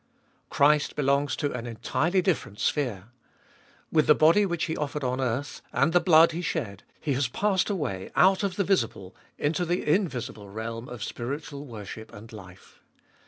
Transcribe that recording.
Christ belongs to an entirely different sphere. With the body which He offered on earth, and the blood He shed, He has passed away out of the visible into the invisible realm of spiritual worship and life.